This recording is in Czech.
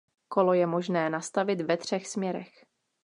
Kolo je možné nastavit ve třech směrech.